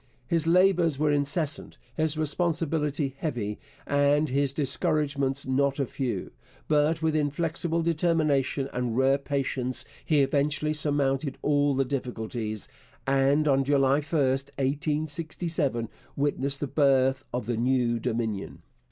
His labours were incessant, his responsibility heavy, and his discouragements not a few; but with inflexible determination and rare patience he eventually surmounted all the difficulties, and on July 1, 1867, witnessed the birth of the new Dominion.